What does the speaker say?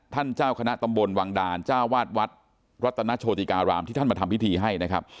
เจ้าคณะตำบลวังดานเจ้าวาดวัดรัตนโชติการามที่ท่านมาทำพิธีให้นะครับ